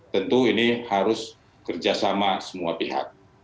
tentu ini harus kerjasama semua pihak